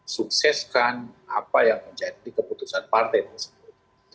sukseskan apa yang menjadi keputusan partai tersebut